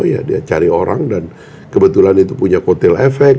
ya dia cari orang dan kebetulan itu punya kotel efek